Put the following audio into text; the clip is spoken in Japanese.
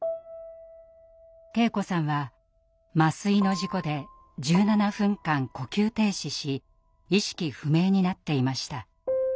圭子さんは麻酔の事故で１７分間呼吸停止し意識不明になっていました。